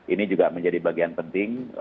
ini juga menjadi bagian penting